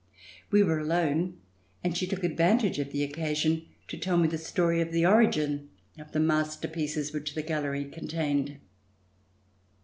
We were alone and she took advantage of the occasion to tell me the story of the origin of the masterpieces which the gallery contained.